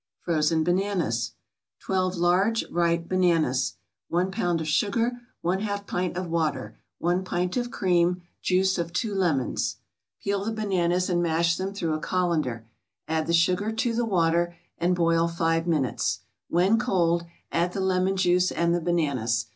FROZEN BANANAS 12 large ripe bananas 1 pound of sugar 1/2 pint of water 1 pint of cream Juice of two lemons Peel the bananas and mash them through a colander. Add the sugar to the water, and boil five minutes; when cold, add the lemon juice and the bananas.